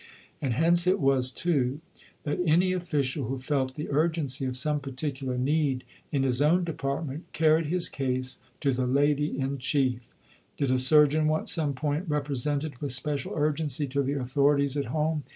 " And hence it was, too, that any official who felt the urgency of some particular need in his own department carried his case to the Lady in Chief. Did a surgeon want some point represented with special urgency to the authorities at home?